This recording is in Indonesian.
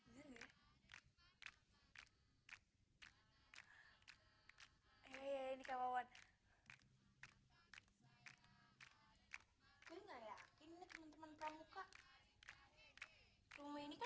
mereka yang menunggu rumah ini